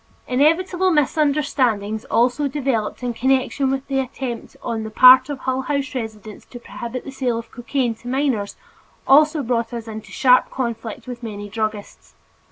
Inevitable misunderstanding also developed in connection with the attempt on the part of Hull House residents to prohibit the sale of cocaine to minors, which brought us into sharp conflict with many druggists.